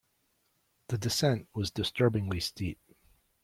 The descent was disturbingly steep.